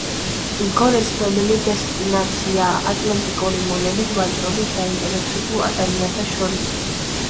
გორე ცნობილი დესტინაციაა ატლანტიკური მონებით ვაჭრობით დაინტერესებულ ადამიანებს შორის.